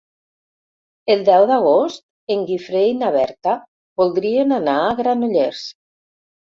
El deu d'agost en Guifré i na Berta voldrien anar a Granollers.